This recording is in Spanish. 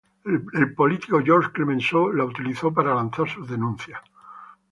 El político Georges Clemenceau lo utilizó para lanzar sus denuncias.